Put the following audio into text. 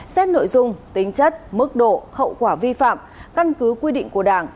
xét nội dung tính chất mức độ hậu quả vi phạm căn cứ quy định của đảng